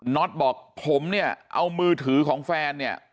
็อตบอกผมเนี่ยเอามือถือของแฟนเนี่ย